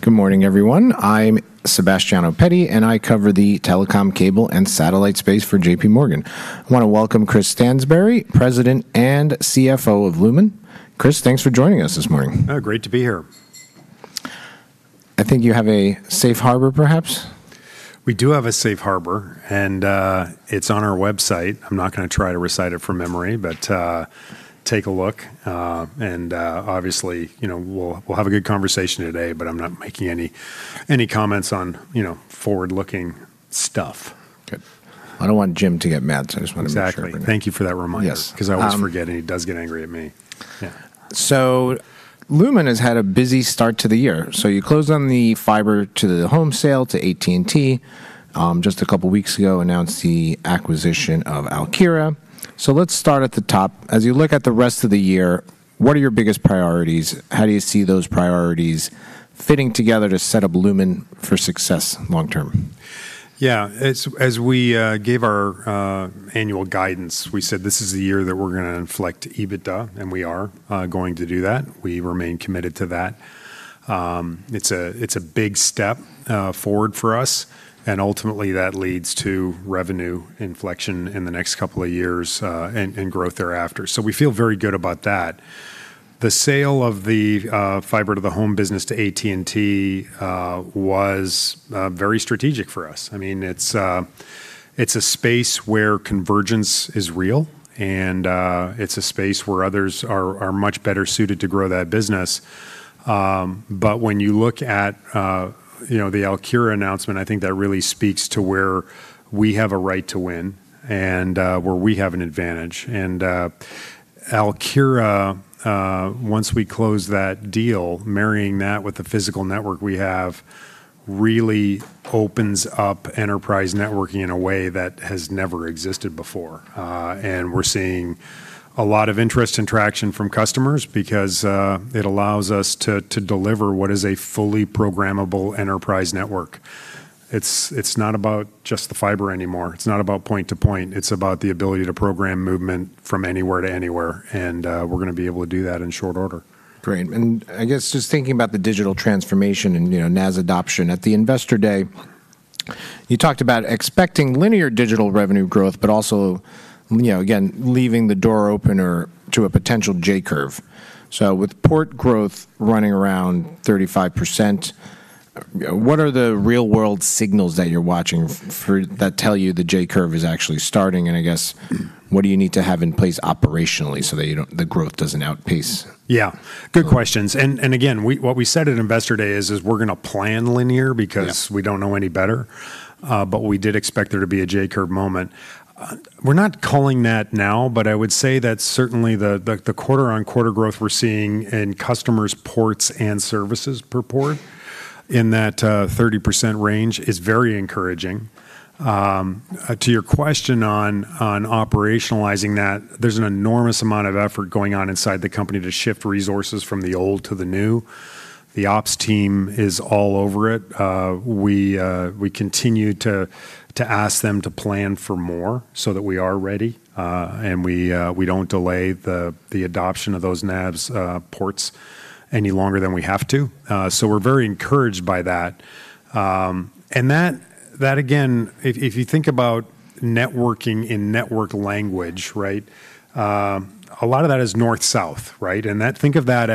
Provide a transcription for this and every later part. Good morning, everyone. I'm Sebastiano Petti, and I cover the telecom cable and satellite space for JPMorgan. I want to welcome Chris Stansbury, President and CFO of Lumen. Chris, thanks for joining us this morning. Oh, great to be here. I think you have a safe harbor, perhaps? We do have a safe harbor. It's on our website. I'm not going to try to recite it from memory. Take a look. Obviously, you know, we'll have a good conversation today. I'm not making any comments on, you know, forward-looking stuff. Good. I don't want Jim to get mad, so I just want to make sure. Exactly. Thank you for that reminder. Yes. 'Cause I always forget, and he does get angry at me. Yeah. Lumen has had a busy start to the year. You closed on the fiber to the home sale to AT&T, just a couple weeks ago announced the acquisition of Alkira. Let's start at the top. As you look at the rest of the year, what are your biggest priorities? How do you see those priorities fitting together to set up Lumen for success long term? Yeah. As we gave our annual guidance, we said this is the year that we're gonna inflect EBITDA, and we are going to do that. We remain committed to that. It's a big step forward for us, ultimately that leads to revenue inflection in the next couple of years and growth thereafter. We feel very good about that. The sale of the fiber to the home business to AT&T was very strategic for us. I mean, it's a space where convergence is real, and it's a space where others are much better suited to grow that business. When you look at, you know, the Alkira announcement, I think that really speaks to where we have a right to win and where we have an advantage. Alkira, once we close that deal, marrying that with the physical network we have really opens up enterprise networking in a way that has never existed before. We're seeing a lot of interest and traction from customers because it allows us to deliver what is a fully programmable enterprise network. It's not about just the fiber anymore. It's not about point to point. It's about the ability to program movement from anywhere to anywhere, and we're gonna be able to do that in short order. Great. I guess just thinking about the digital transformation and, you know, NaaS adoption. At the Investor Day, you talked about expecting linear digital revenue growth, but also, you know, again, leaving the door open or to a potential J-curve. With port growth running around 35%, what are the real world signals that you're watching that tell you the J-curve is actually starting? I guess what do you need to have in place operationally so that the growth doesn't outpace? Yeah. Good questions. Again, what we said at Investor Day is we're gonna plan linear. Yeah Because we don't know any better. We did expect there to be a J-curve moment. We're not calling that now, but I would say that certainly the quarter-on-quarter growth we're seeing in customers' ports and services per port in that 30% range is very encouraging. To your question on operationalizing that, there's an enormous amount of effort going on inside the company to shift resources from the old to the new. The ops team is all over it. We continue to ask them to plan for more so that we are ready, and we don't delay the adoption of those NaaS ports any longer than we have to. We're very encouraged by that. That again, if you think about networking in network language, right? A lot of that is north-south, right? Think of that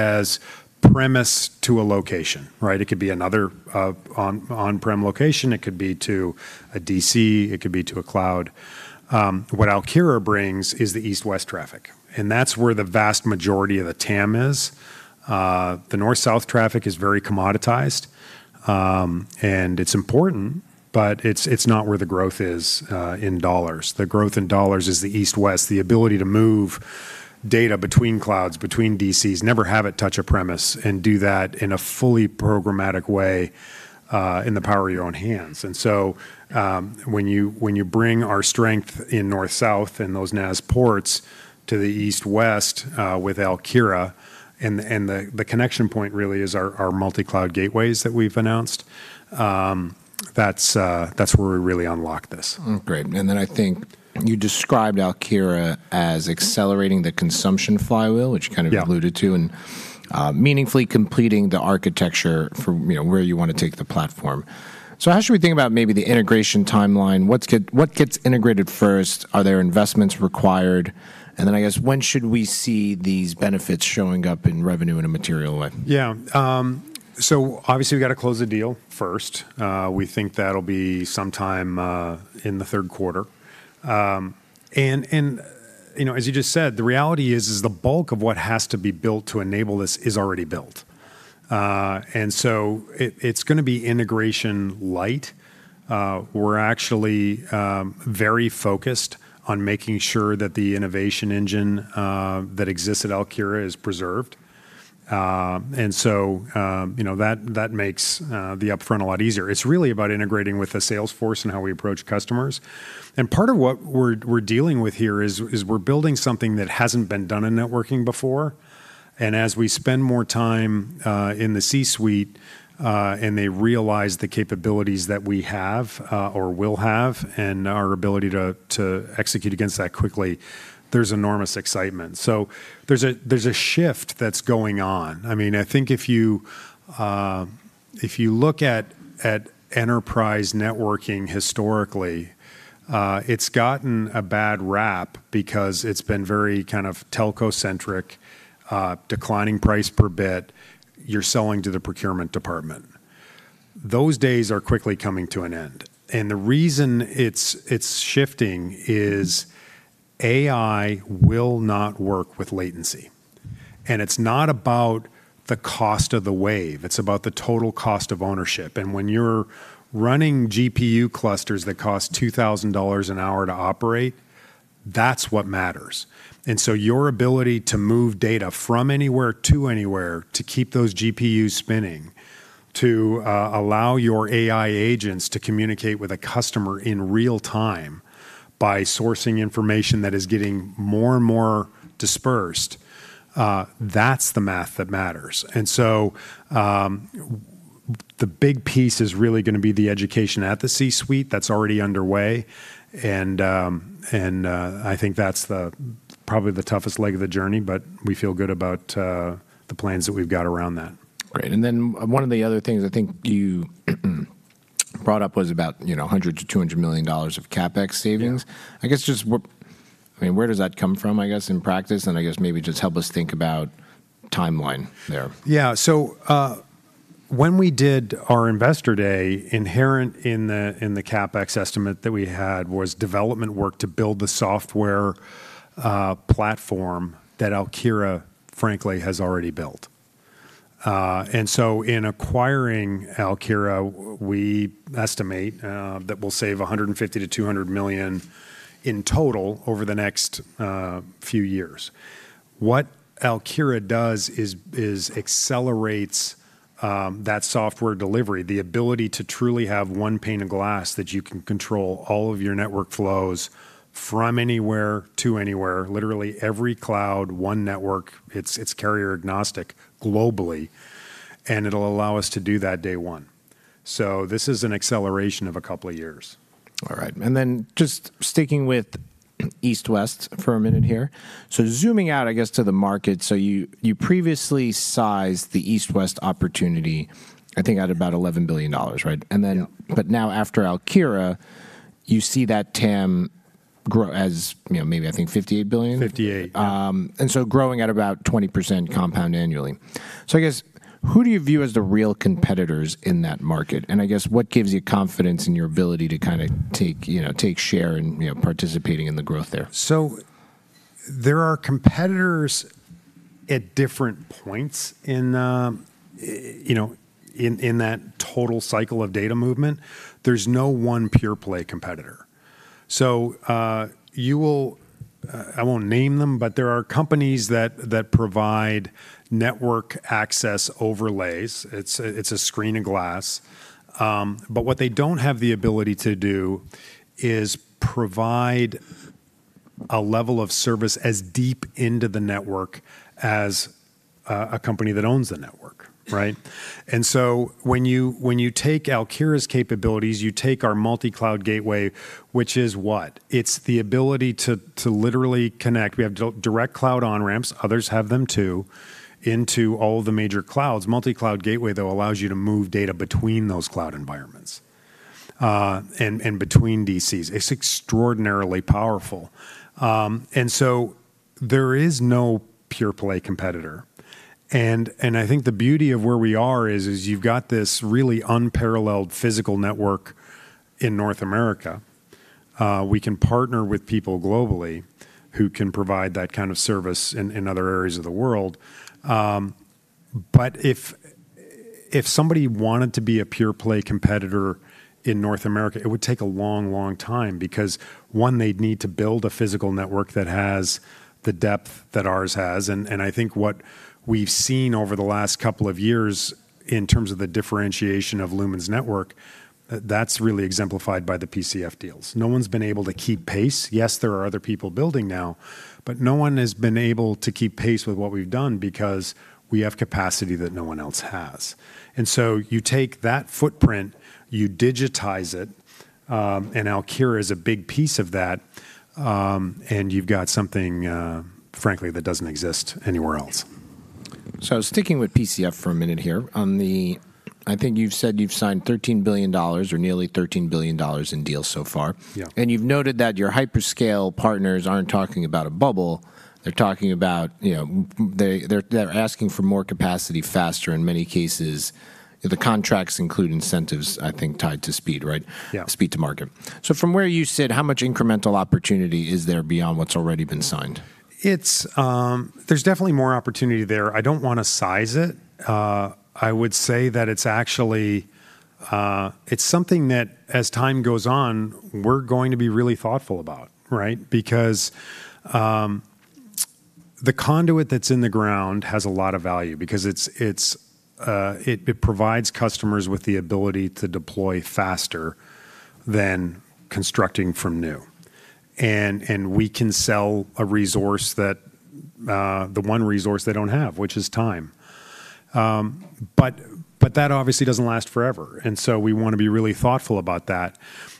as premise to a location, right? It could be another on-prem location, it could be to a DC, it could be to a cloud. What Alkira brings is the east-west traffic. That's where the vast majority of the TAM is. The north-south traffic is very commoditized, and it's important, but it's not where the growth is in dollars. The growth in dollars is the east-west, the ability to move data between clouds, between DCs, never have it touch a premise, and do that in a fully programmatic way in the power of your own hands. When you bring our strength in north-south and those NaaS ports to the east-west, with Alkira, and the connection point really is our Multi-Cloud Gateway that we've announced, that's where we really unlock this. Great. I think you described Alkira as accelerating the consumption flywheel. Yeah Which you kind of alluded to, and meaningfully completing the architecture for, you know, where you want to take the platform. How should we think about maybe the integration timeline? What gets integrated first? Are there investments required? I guess when should we see these benefits showing up in revenue in a material way? Obviously we gotta close the deal first. We think that'll be sometime in the third quarter. You know, as you just said, the reality is the bulk of what has to be built to enable this is already built. It's gonna be integration light. We're actually very focused on making sure that the innovation engine that exists at Alkira is preserved. You know, that makes the upfront a lot easier. It's really about integrating with the sales force and how we approach customers. Part of what we're dealing with here is we're building something that hasn't been done in networking before. As we spend more time in the C-suite, and they realize the capabilities that we have, or will have, and our ability to execute against that quickly, there's enormous excitement. The shift that is going on, I mean, I think if you look at enterprise networking historically, it's gotten a bad rap because it's been very kind of telco-centric, declining price per bit. You're selling to the procurement department. Those days are quickly coming to an end, and the reason it's shifting is AI will not work with latency, and it's not about the cost of the wave. It's about the total cost of ownership, and when you're running GPU clusters that cost $2,000 an hour to operate, that's what matters. Your ability to move data from anywhere to anywhere to keep those GPUs spinning, to allow your AI agents to communicate with a customer in real time by sourcing information that is getting more and more dispersed, that's the math that matters. The big piece is really gonna be the education at the C-suite that's already underway, and I think that's probably the toughest leg of the journey, but we feel good about the plans that we've got around that. Great. Then one of the other things I think you brought up was about, you know, $100 million-$200 million of CapEx savings. Yeah. I guess just I mean, where does that come from, I guess, in practice? I guess maybe just help us think about timeline there. When we did our Investor Day, inherent in the CapEx estimate that we had was development work to build the software platform that Alkira frankly has already built. In acquiring Alkira, we estimate that we'll save $150 million-$200 million in total over the next few years. What Alkira does is accelerates that software delivery, the ability to truly have single pane of glass that you can control all of your network flows from anywhere to anywhere, literally every cloud, one network. It's carrier-agnostic globally, it'll allow us to do that day one. This is an acceleration of a couple years. All right. Just sticking with east-west for a minute here. Zooming out, I guess, to the market, you previously sized the east-west opportunity, I think, at about $11 billion, right? Yeah. After Alkira, you see that TAM grow as, you know, maybe I think $58 billion. 58. Growing at about 20% compound annually. I guess, who do you view as the real competitors in that market? I guess what gives you confidence in your ability to kinda take, you know, take share and, you know, participating in the growth there? There are competitors at different points in, you know, in that total cycle of data movement. There's no one pure play competitor. I won't name them, but there are companies that provide network access overlays. It's a screen of glass. What they don't have the ability to do is provide a level of service as deep into the network as a company that owns the network, right? When you take Alkira's capabilities, you take our Multi-Cloud Gateway, which is what? It's the ability to literally connect. We have direct cloud on-ramps, others have them too, into all the major clouds. Multi-Cloud Gateway, though, allows you to move data between those cloud environments and between DCs. It's extraordinarily powerful. There is no pure play competitor. I think the beauty of where we are is you've got this really unparalleled physical network in North America. We can partner with people globally who can provide that kind of service in other areas of the world. If somebody wanted to be a pure play competitor in North America, it would take a long, long time because, one, they'd need to build a physical network that has the depth that ours has. I think what we've seen over the last couple of years in terms of the differentiation of Lumen's network, that's really exemplified by the PCF deals. No one's been able to keep pace. Yes, there are other people building now, but no one has been able to keep pace with what we've done because we have capacity that no one else has. You take that footprint, you digitize it, and Alkira is a big piece of that, and you've got something, frankly, that doesn't exist anywhere else. Sticking with PCF for a minute here. I think you've said you've signed $13 billion or nearly $13 billion in deals so far. Yeah. You've noted that your hyperscale partners aren't talking about a bubble. They're talking about, you know, they're asking for more capacity faster. In many cases, the contracts include incentives, I think, tied to speed, right? Yeah. Speed to market. From where you sit, how much incremental opportunity is there beyond what's already been signed? There's definitely more opportunity there. I don't wanna size it. I would say that it's actually, it's something that as time goes on, we're going to be really thoughtful about, right? Because the conduit that's in the ground has a lot of value because it's, it provides customers with the ability to deploy faster than constructing from new. We can sell a resource that the one resource they don't have, which is time. That obviously doesn't last forever, so we wanna be really thoughtful about that.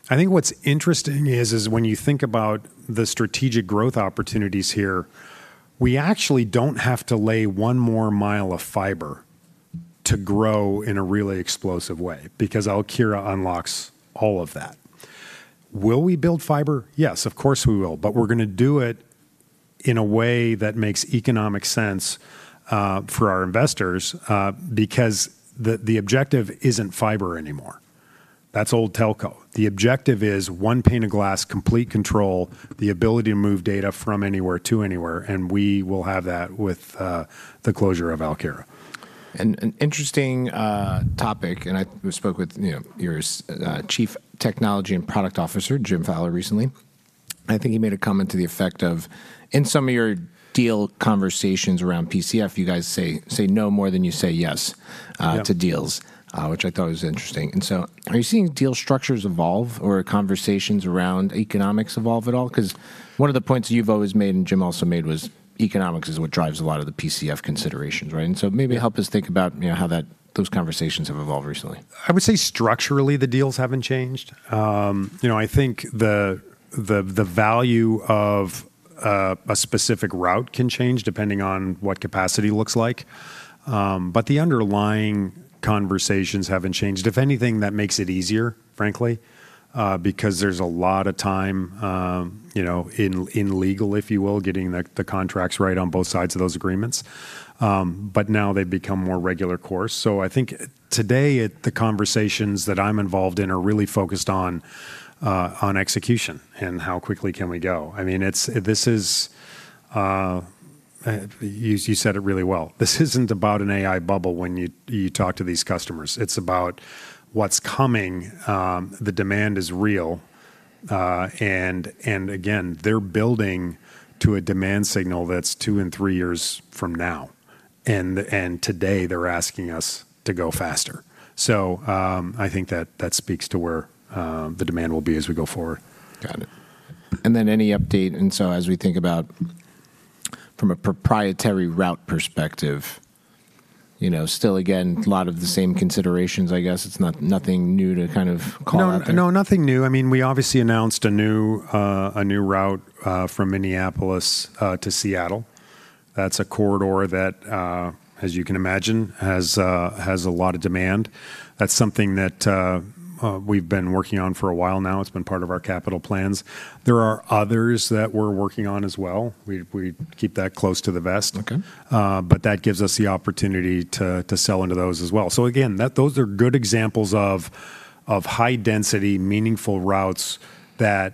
I think what's interesting is when you think about the strategic growth opportunities here. We actually don't have to lay one more mile of fiber to grow in a really explosive way because Alkira unlocks all of that. Will we build fiber? Yes, of course, we will, but we're gonna do it in a way that makes economic sense for our investors, because the objective isn't fiber anymore. That's old telco. The objective is single pane of glass, complete control, the ability to move data from anywhere to anywhere, and we will have that with the closure of Alkira. An interesting topic, and I spoke with, you know, your Chief Technology & Product Officer, Jim Fowler, recently. I think he made a comment to the effect of in some of your deal conversations around PCF, you guys say no more than you say yes. Yeah To deals, which I thought was interesting. Are you seeing deal structures evolve or conversations around economics evolve at all? 'Cause one of the points you've always made, and Jim also made, was economics is what drives a lot of the PCF considerations, right? Maybe help us think about, you know, how those conversations have evolved recently. I would say structurally, the deals haven't changed. you know, I think the value of a specific route can change depending on what capacity looks like. The underlying conversations haven't changed. If anything, that makes it easier, frankly, because there's a lot of time, you know, in legal, if you will, getting the contracts right on both sides of those agreements. Now they've become more regular course. I think today the conversations that I'm involved in are really focused on execution and how quickly can we go. I mean, this is, you said it really well. This isn't about an AI bubble when you talk to these customers. It's about what's coming. The demand is real. Again, they're building to a demand signal that's two and three years from now. Today they're asking us to go faster. I think that speaks to where the demand will be as we go forward. Got it. Any update, as we think about from a proprietary route perspective, you know, still again, a lot of the same considerations, I guess? It's nothing new to kind of call out there. No, nothing new. I mean, we obviously announced a new, a new route, from Minneapolis, to Seattle. That's a corridor that, as you can imagine, has a lot of demand. That's something that, we've been working on for a while now. It's been part of our capital plans. There are others that we're working on as well. We keep that close to the vest. Okay. That gives us the opportunity to sell into those as well. Again, those are good examples of high density, meaningful routes that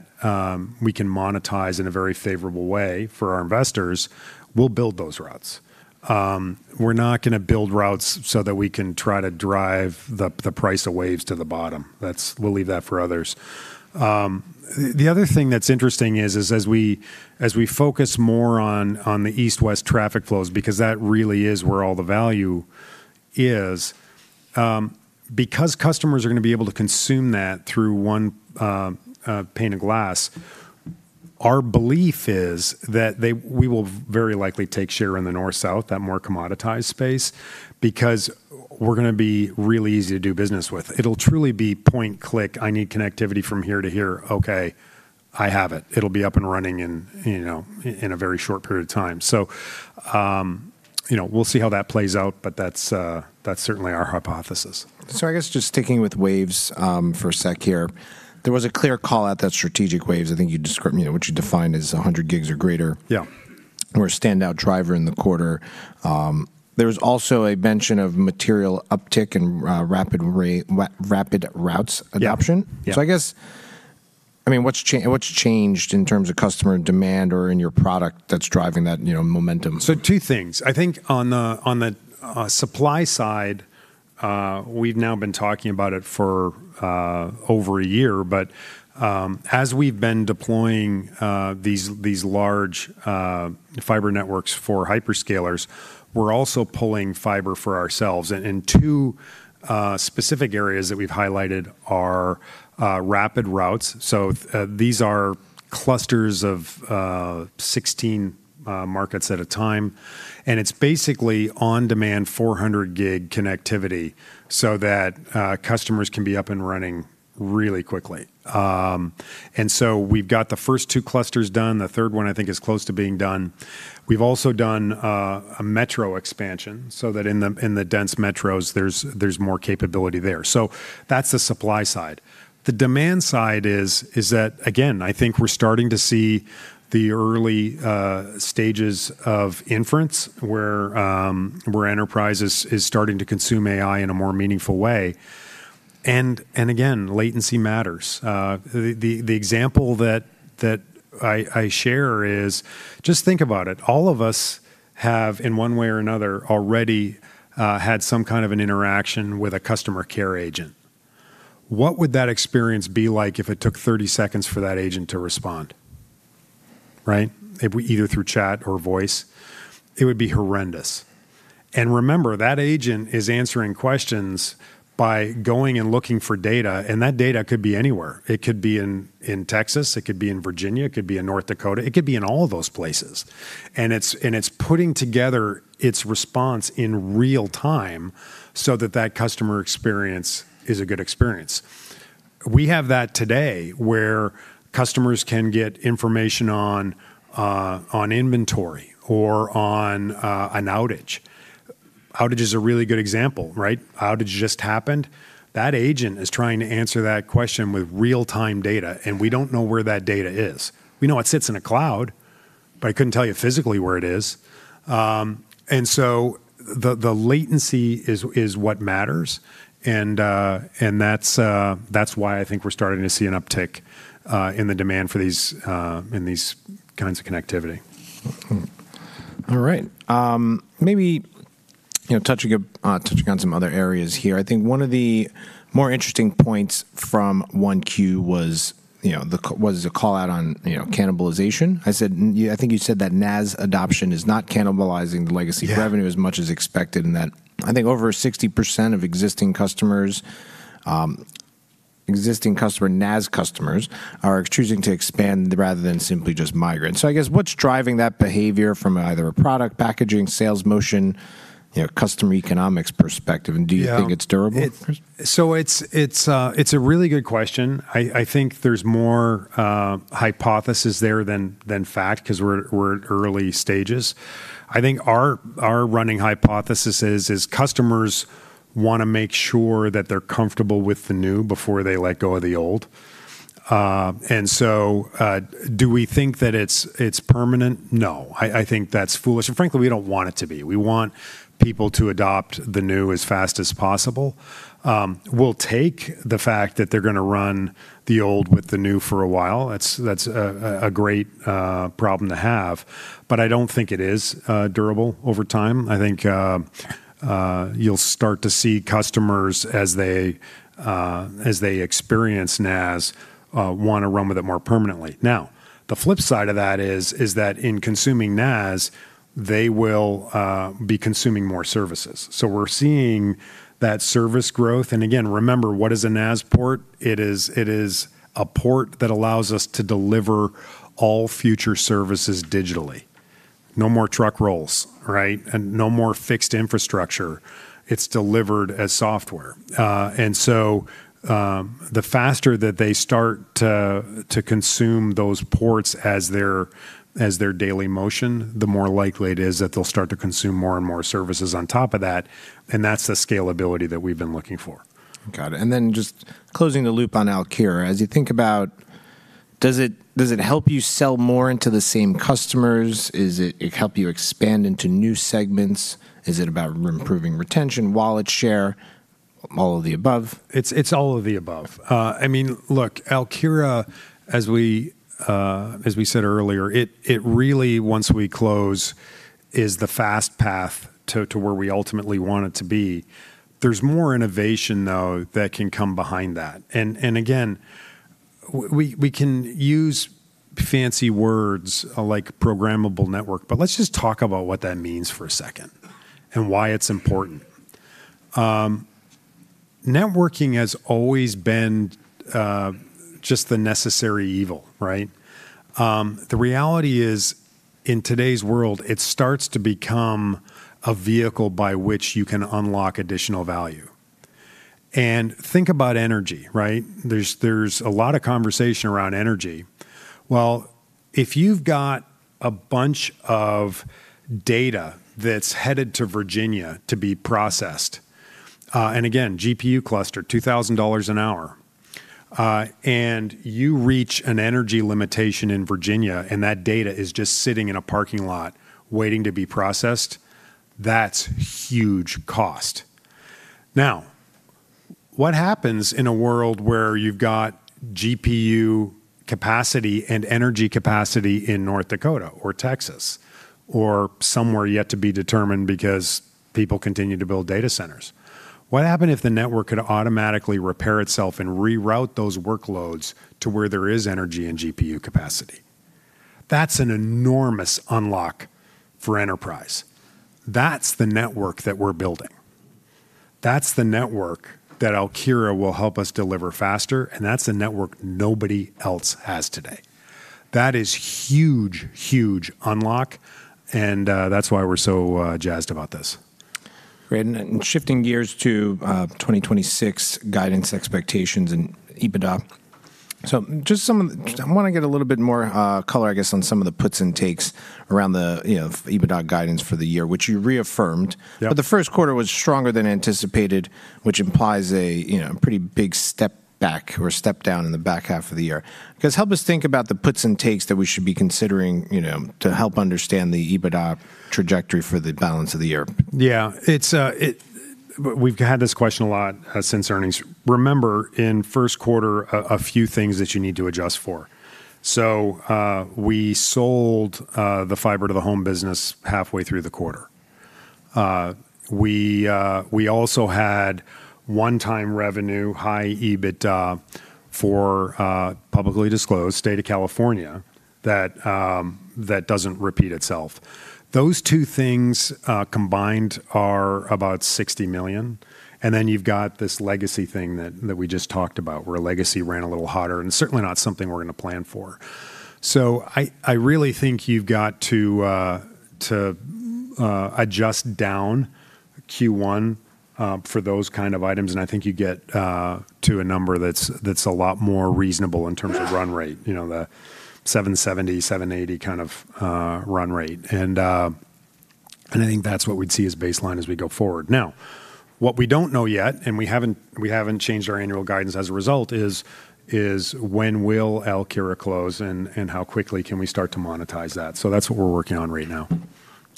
we can monetize in a very favorable way for our investors. We'll build those routes. We're not gonna build routes so that we can try to drive the price of Waves to the bottom. We'll leave that for others. The other thing that's interesting is as we focus more on the east-west traffic flows, because that really is where all the value is, because customers are gonna be able to consume that through one pane of glass, our belief is that we will very likely take share in the north-south, that more commoditized space, because we're gonna be really easy to do business with. It'll truly be point, click, I need connectivity from here to here. Okay, I have it. It'll be up and running in a very short period of time. We'll see how that plays out, but that's certainly our hypothesis. I guess just sticking with Waves, for a sec here. There was a clear call out that strategic Waves, I think you know, what you defined as 100 Gb or greater. Yeah Were a standout driver in the quarter. There was also a mention of material uptick in RapidRoutes adoption. Yeah. Yeah. I mean, what's changed in terms of customer demand or in your product that's driving that, you know, momentum? Two things. I think on the, on the supply side, we've now been talking about it for over a year. As we've been deploying these large fiber networks for hyperscalers, we're also pulling fiber for ourselves. In two specific areas that we've highlighted are RapidRoutes. These are clusters of 16 markets at a time, and it's basically on-demand 400 Gb connectivity so that customers can be up and running really quickly. We've got the first two clusters done. The third one, I think is close to being done. We've also done a metro expansion so that in the dense metros, there's more capability there. That's the supply side. The demand side is that, again, I think we're starting to see the early stages of inference where enterprises is starting to consume AI in a more meaningful way. Again, latency matters. The example that I share is just think about it. All of us have, in one way or another, already had some kind of an interaction with a customer care agent. What would that experience be like if it took 30 seconds for that agent to respond, right? either through chat or voice. It would be horrendous. Remember, that agent is answering questions by going and looking for data, and that data could be anywhere. It could be in Texas, it could be in Virginia, it could be in North Dakota. It could be in all of those places. It's putting together its response in real time so that that customer experience is a good experience. We have that today where customers can get information on inventory or on an outage. Outage is a really good example, right? Outage just happened. That agent is trying to answer that question with real-time data, and we don't know where that data is. We know it sits in a cloud, but I couldn't tell you physically where it is. The latency is what matters and that's why I think we're starting to see an uptick in the demand for these in these kinds of connectivity. All right. Maybe, you know, touching on some other areas here. I think one of the more interesting points from 1Q was, you know, was the call-out on, you know, cannibalization. Yeah, I think you said that NaaS adoption is not cannibalizing the legacy- Yeah revenue as much as expected. I think over 60% of existing customers, existing customer NaaS customers are choosing to expand rather than simply just migrate. I guess what's driving that behavior from either a product packaging, sales motion, you know, customer economics perspective? Yeah Do you think it's durable? It's a really good question. I think there's more hypothesis there than fact 'cause we're at early stages. I think our running hypothesis is customers wanna make sure that they're comfortable with the new before they let go of the old. Do we think that it's permanent? No. I think that's foolish, and frankly, we don't want it to be. We want people to adopt the new as fast as possible. We'll take the fact that they're gonna run the old with the new for a while. That's a great problem to have. I don't think it is durable over time. I think you'll start to see customers as they experience NaaS wanna run with it more permanently. The flip side of that is that in consuming NaaS, they will be consuming more services. We're seeing that service growth. Again, remember, what is a NaaS port? It is a port that allows us to deliver all future services digitally. No more truck rolls, right? No more fixed infrastructure. It's delivered as software. The faster that they start to consume those ports as their daily motion, the more likely it is that they'll start to consume more and more services on top of that's the scalability that we've been looking for. Got it. Then just closing the loop on Alkira. As you think about, does it help you sell more into the same customers? Does it help you expand into new segments? Is it about improving retention, wallet share, all of the above? It's all of the above. I mean, look, Alkira, as we said earlier, it really, once we close, is the fast path to where we ultimately want it to be. There's more innovation, though, that can come behind that. Again, we can use fancy words like programmable network, but let's just talk about what that means for a second and why it's important. Networking has always been just the necessary evil, right? The reality is, in today's world, it starts to become a vehicle by which you can unlock additional value. Think about energy, right? There's a lot of conversation around energy. Well, if you've got a bunch of data that's headed to Virginia to be processed, and again, GPU cluster, $2,000 an hour, and you reach an energy limitation in Virginia, and that data is just sitting in a parking lot waiting to be processed, that's huge cost. What happens in a world where you've got GPU capacity and energy capacity in North Dakota or Texas or somewhere yet to be determined because people continue to build data centers? What happen if the network could automatically repair itself and reroute those workloads to where there is energy and GPU capacity? That's an enormous unlock for enterprise. That's the network that we're building. That's the network that Alkira will help us deliver faster, and that's the network nobody else has today. That is huge, huge unlock, that's why we're so jazzed about this. Great. Shifting gears to 2026 guidance expectations and EBITDA. I wanna get a little bit more color, I guess, on some of the puts and takes around the, you know, EBITDA guidance for the year, which you reaffirmed. Yeah. The first quarter was stronger than anticipated, which implies a, you know, pretty big step back or step down in the back half of the year. Just help us think about the puts and takes that we should be considering, you know, to help understand the EBITDA trajectory for the balance of the year. Yeah. It's, we've had this question a lot since earnings. Remember, in first quarter, a few things that you need to adjust for. We sold the fiber to the home business halfway through the quarter. We also had one-time revenue, high EBITDA for publicly disclosed state of California that doesn't repeat itself. Those two things combined are about $60 million. You've got this legacy thing that we just talked about, where legacy ran a little hotter. It's certainly not something we're gonna plan for. I really think you've got to adjust down Q1 for those kind of items, and I think you get to a number that's a lot more reasonable in terms of run rate, you know, the 770, 780 kind of run rate. I think that's what we'd see as baseline as we go forward. Now, what we don't know yet, and we haven't changed our annual guidance as a result, is when will Alkira close and how quickly can we start to monetize that? That's what we're working on right now.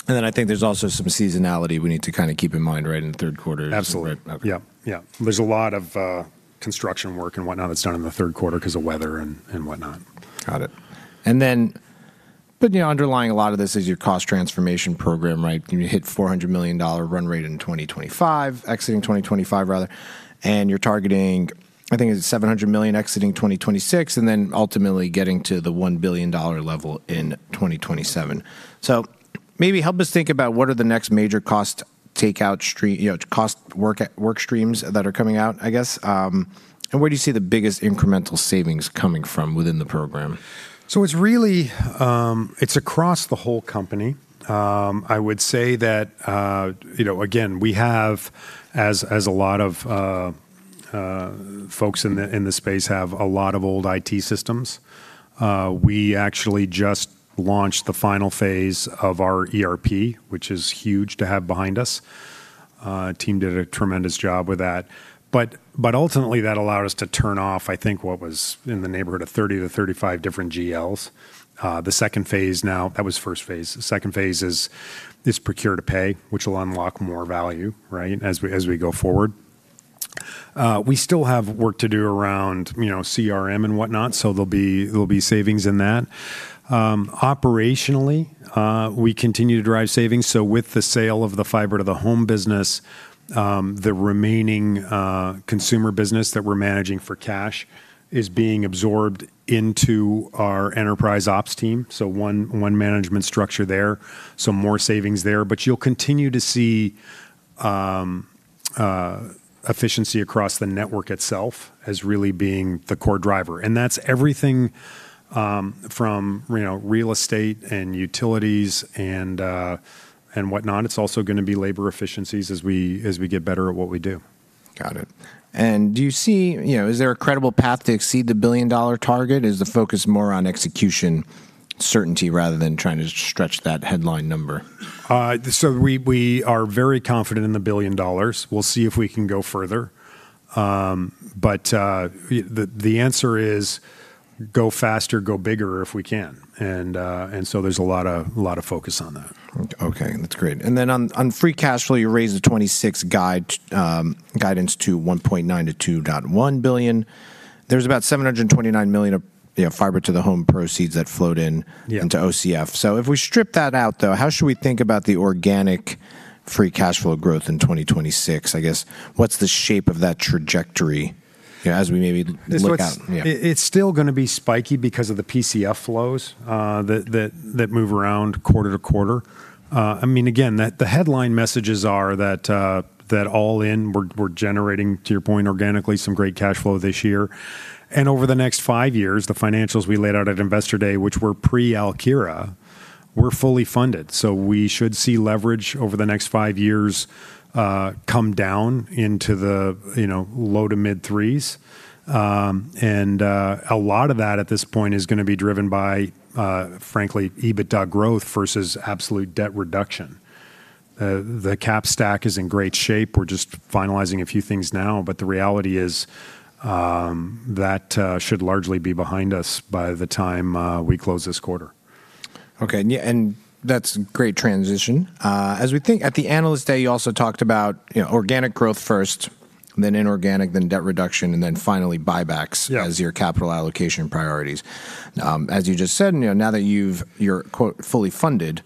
I think there's also some seasonality we need to kind of keep in mind, right, in the third quarter. Absolutely. Right? Okay. Yeah, yeah. There's a lot of construction work and whatnot that's done in the third quarter because of weather and whatnot. Got it. You know, underlying a lot of this is your cost transformation program, right? You hit $400 million run rate in 2025, exiting 2025 rather, and you're targeting, I think it's $700 million exiting 2026, and then ultimately getting to the $1 billion level in 2027. Maybe help us think about what are the next major cost takeout, you know, cost work streams that are coming out, I guess, and where do you see the biggest incremental savings coming from within the program? It's really, it's across the whole company. I would say that, you know, again, we have, as a lot of folks in the space have a lot of old IT systems. We actually just launched the final phase of our ERP, which is huge to have behind us. Team did a tremendous job with that. Ultimately that allowed us to turn off, I think, what was in the neighborhood of 30-35 different GLs. The second phase now, that was first phase. The second phase is procure-to-pay, which will unlock more value, right, as we go forward. We still have work to do around, you know, CRM and whatnot, so there'll be savings in that. Operationally, we continue to drive savings. With the sale of the fiber-to-the-home business, the remaining consumer business that we're managing for cash is being absorbed into our enterprise ops team. One management structure there. More savings there. You'll continue to see efficiency across the network itself as really being the core driver, and that's everything from, you know, real estate and utilities and whatnot. It's also gonna be labor efficiencies as we get better at what we do. Got it. You know, is there a credible path to exceed the billion-dollar target? Is the focus more on execution certainty rather than trying to stretch that headline number? We, we are very confident in the $1 billion. We'll see if we can go further. The answer is go faster, go bigger if we can. There's a lot of focus on that. Okay. That's great. On free cash flow, you raised the 2026 guidance to $1.9 billion-$2.1 billion. There's about $729 million of, you know, fiber to the home proceeds that float. Yeah Into OCF. If we strip that out though, how should we think about the organic free cash flow growth in 2026? I guess, what's the shape of that trajectory, you know, as we maybe look out? It's. Yeah. It's still gonna be spiky because of the PCF flows that move around quarter-to-quarter. I mean, again, the headline messages are that all in we're generating, to your point, organically some great cash flow this year. Over the next five years, the financials we laid out at Investor Day, which were pre-Alkira, were fully funded. We should see leverage over the next five years come down into the, you know, low to mid threes. A lot of that at this point is gonna be driven by, frankly, EBITDA growth versus absolute debt reduction. The capital stack is in great shape. We're just finalizing a few things now, the reality is that should largely be behind us by the time we close this quarter. Okay. That's great transition. As we at the Analyst Day, you also talked about, you know, organic growth first, then inorganic, then debt reduction, and then finally buybacks. Yeah As your capital allocation priorities. as you just said, you know, now that you're, quote, "fully funded,"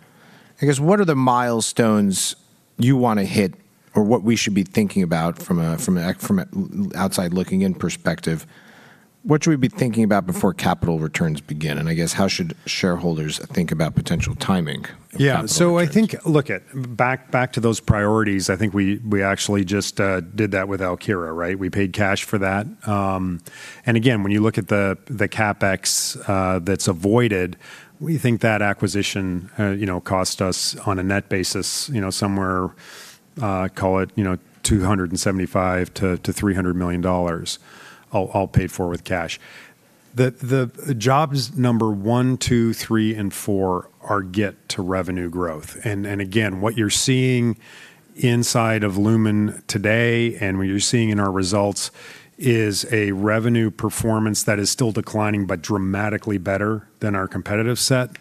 I guess, what are the milestones you wanna hit or what we should be thinking about from a outside looking in perspective, what should we be thinking about before capital returns begin? I guess how should shareholders think about potential timing? Yeah. I think back to those priorities, I think we actually just did that with Alkira, right? We paid cash for that. Again, when you look at the CapEx that's avoided, we think that acquisition cost us on a net basis somewhere, call it, $275 million-$300 million all paid for with cash. The jobs number one, two, three, and four are get to revenue growth. Again, what you're seeing inside of Lumen today and what you're seeing in our results is a revenue performance that is still declining but dramatically better than our competitive set.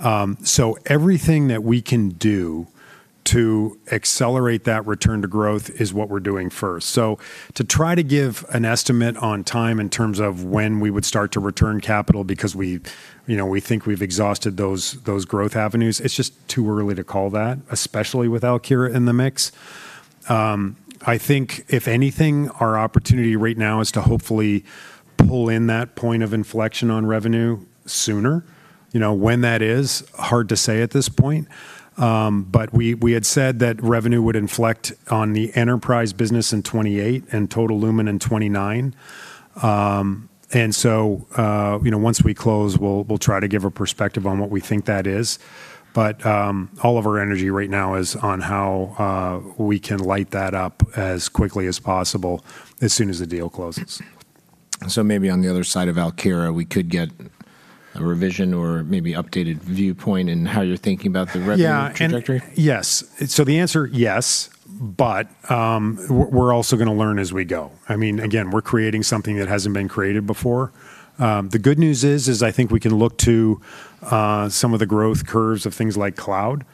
Everything that we can do to accelerate that return to growth is what we're doing first. To try to give an estimate on time in terms of when we would start to return capital because we, you know, we think we've exhausted those growth avenues, it's just too early to call that, especially with Alkira in the mix. I think if anything, our opportunity right now is to hopefully pull in that point of inflection on revenue sooner. You know, when that is, hard to say at this point. We had said that revenue would inflect on the enterprise business in 2028 and total Lumen in 2029. You know, once we close, we'll try to give a perspective on what we think that is. All of our energy right now is on how we can light that up as quickly as possible as soon as the deal closes. Maybe on the other side of Alkira, we could get a revision or maybe updated viewpoint in how you're thinking about the revenue trajectory? Yeah, and yes. The answer, yes, but we're also gonna learn as we go. I mean, again, we're creating something that hasn't been created before. The good news is I think we can look to some of the growth curves of things like cloud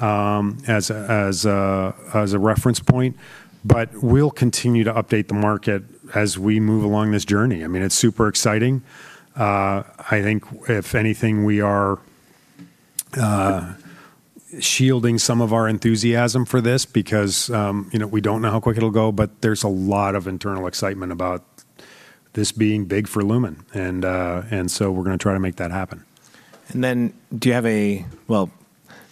as a reference point. We'll continue to update the market as we move along this journey. I mean, it's super exciting. I think if anything, we are shielding some of our enthusiasm for this because, you know, we don't know how quick it'll go, but there's a lot of internal excitement about this being big for Lumen, and so we're gonna try to make that happen. Do you have well,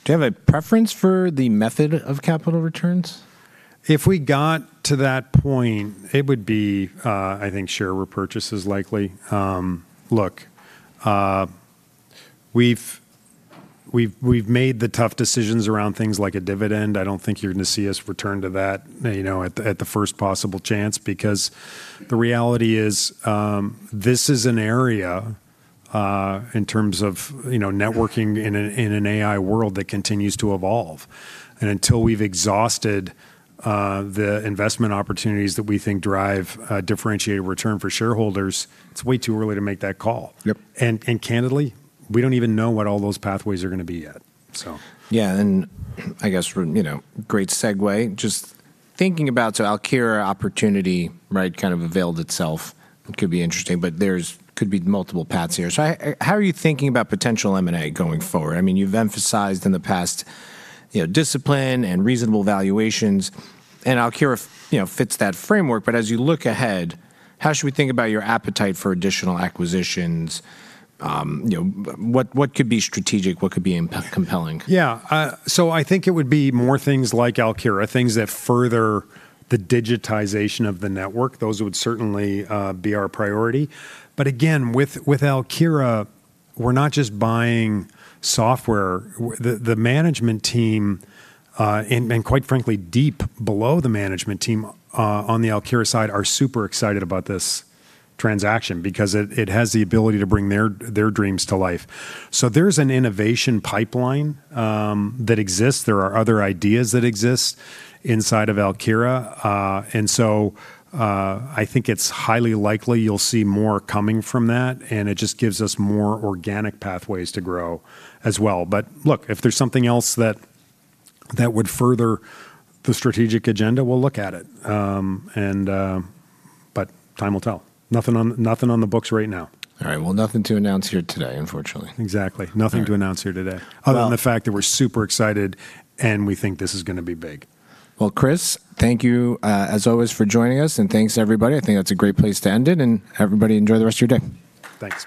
do you have a preference for the method of capital returns? If we got to that point, it would be, I think share repurchases likely. Look, we've made the tough decisions around things like a dividend. I don't think you're gonna see us return to that, you know, at the first possible chance, because the reality is, this is an area, in terms of, you know, networking in an AI world that continues to evolve. Until we've exhausted the investment opportunities that we think drive a differentiated return for shareholders, it's way too early to make that call. Yep. Candidly, we don't even know what all those pathways are gonna be yet. I guess from, you know, great segue, just thinking about Alkira opportunity, right, kind of availed itself. It could be interesting, but there could be multiple paths here. How are you thinking about potential M&A going forward? I mean, you've emphasized in the past, you know, discipline and reasonable valuations, Alkira, you know, fits that framework. As you look ahead, how should we think about your appetite for additional acquisitions? You know, what could be strategic? What could be compelling? Yeah. I think it would be more things like Alkira, things that further the digitization of the network. Those would certainly be our priority. Again, with Alkira, we're not just buying software. The management team, and quite frankly, deep below the management team, on the Alkira side, are super excited about this transaction because it has the ability to bring their dreams to life. There's an innovation pipeline that exists. There are other ideas that exist inside of Alkira. I think it's highly likely you'll see more coming from that, and it just gives us more organic pathways to grow as well. Look, if there's something else that would further the strategic agenda, we'll look at it. And time will tell. Nothing on the books right now. All right. Well, nothing to announce here today, unfortunately. Exactly. Nothing to announce here today. Well- Other than the fact that we're super excited, and we think this is gonna be big. Well, Chris, thank you, as always for joining us, and thanks everybody. I think that's a great place to end it, and everybody enjoy the rest of your day. Thank you.